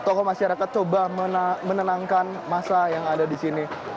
tokoh masyarakat coba menenangkan masa yang ada di sini